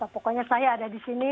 pokoknya saya ada di sini